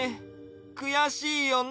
くやしいよね。